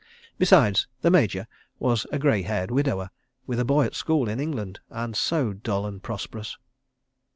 Besides—the Major was a grey haired widower, with a boy at school in England and so dull and prosperous.